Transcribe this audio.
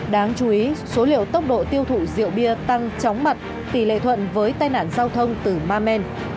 đáng chú ý số liệu tốc độ tiêu thụ rượu bia tăng chóng mặt tỷ lệ thuận với tai nạn giao thông từ ma men